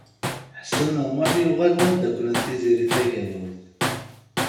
Ḥsen U Muḥ yuɣal d amdakel n Tiziri Tagawawt.